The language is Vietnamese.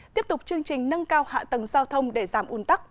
tiếp tục chương trình nâng cao hạ tầng giao thông để giảm un tắc